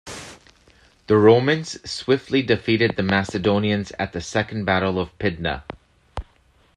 The Romans swiftly defeated the Macedonians at the Second battle of Pydna.